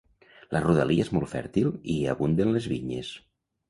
La rodalia és molt fèrtil i hi abunden les vinyes.